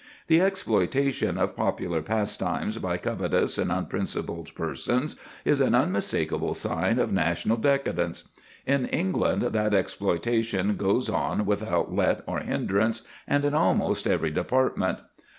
The exploitation of popular pastimes by covetous and unprincipled persons is an unmistakable sign of national decadence. In England that exploitation goes on without let or hindrance and in almost every department.